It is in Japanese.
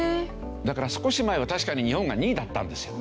だから少し前は確かに日本が２位だったんですよ。